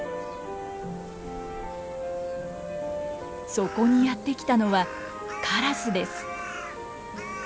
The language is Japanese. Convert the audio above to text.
そこにやって来たのはカラスです。